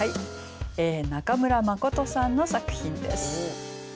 中村マコトさんの作品です。